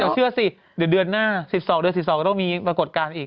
แม่ก็เชื่อสิเดือนเดือนหน้าสิบสองเดือนสิบสองก็ต้องมีปรากฏการณ์อีก